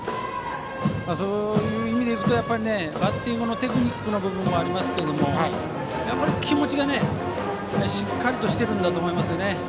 そういう意味でいくとバッティングのテクニックの部分はありますけど気持ちがしっかりとしているんだと思います。